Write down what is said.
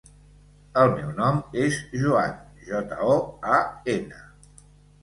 El meu nom és Joan: jota, o, a, ena.